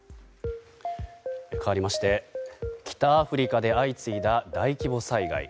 かわりまして北アフリカで相次いだ大規模災害。